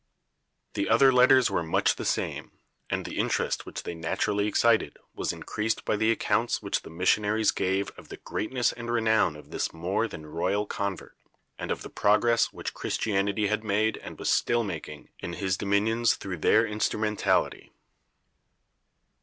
The other letters were much the same, and the interest which they naturally excited was increased by the accounts which the missionaries gave of the greatness and renown of this more than royal convert, and of the progress which Christianity had made and was still making in his dominions through their instrumentality.